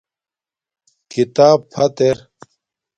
کھیتاپ فت ار